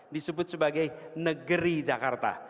disebut sebagai negeri jakarta